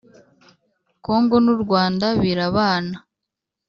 Kongo n u Rwanda birabana